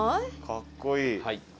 かっこいい！